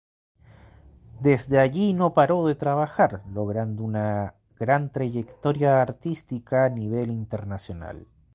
Desde allí no paró de trabajar, logrando una gran trayectoria artística a nivel internacional.